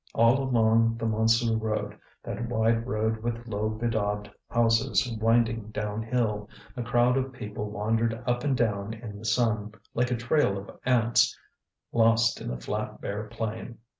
All along the Montsou road, that wide road with low bedaubed houses winding downhill, a crowd of people wandered up and down in the sun, like a trail of ants, lost in the flat, bare plain.